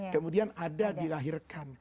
kemudian ada dilahirkan